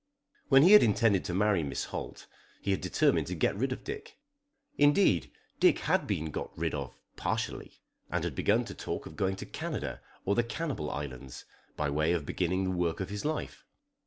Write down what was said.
When he had intended to marry Miss Holt he had determined to get rid of Dick. Indeed Dick had been got rid of partially, and had begun to talk of going to Canada or the Cannibal Islands, by way of beginning the work of his life.